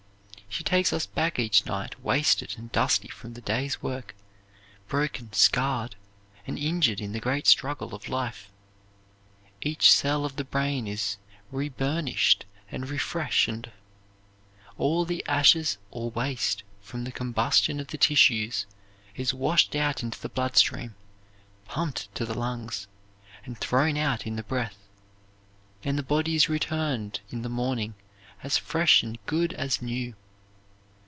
She takes us back each night wasted and dusty from the day's work, broken, scarred, and injured in the great struggle of life. Each cell of the brain is reburnished and refreshened; all the ashes or waste from the combustion of the tissues is washed out into the blood stream, pumped to the lungs, and thrown out in the breath; and the body is returned in the morning as fresh and good as new.